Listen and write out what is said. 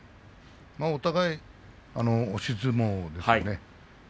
お互い、押し相撲ですよね。